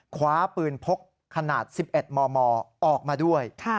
คว้าปืนพกขนาด๑๑มมออกมาด้วย